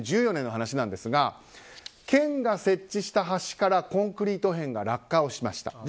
２０１４年の話なんですが県が設置した橋からコンクリート片が落下しました。